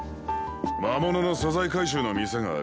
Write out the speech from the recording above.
魔物の素材回収の店がある。